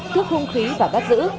thước hung khí và bắt giữ